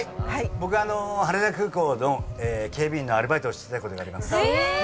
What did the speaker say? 僕羽田空港の警備員のアルバイトをしてたことがあります。